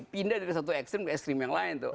pindah dari satu ekstrim ke ekstrim yang lain tuh